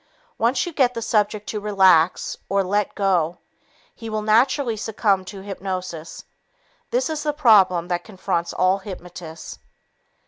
Once you get the subject to relax, or "let go," he will naturally succumb to hypnosis. This is the problem that confronts all hypnotists.